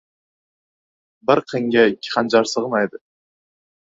• Bir qinga ikki hanjar sig‘maydi.